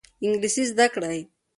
انګلیسي زده کړئ.